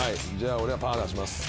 俺はパー出します。